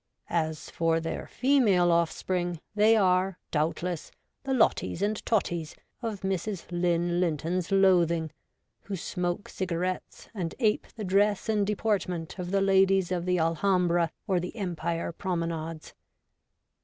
As for their female offspring, they are, doubdess, the 'Lotties and Totties' of Mrs. Lynn Linton's loathing, who smoke cigarettes and ape the dress and deportment of the ladies of the Alhambra or the Empire promenades.